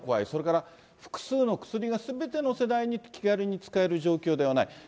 それから複数の薬がすべての世代に気軽に使える状況ではない。